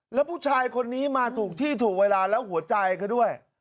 แล้วผู้ชายคนนี้มาถูกที่ถูกเวลาแล้วหัวใจเขาด้วย